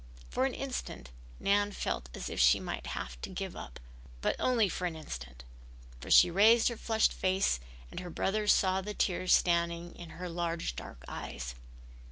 For an instant Nan felt as if she might have to give up. But only for an instant, for she raised her flushed face and her brother saw the tears standing in her large dark eyes.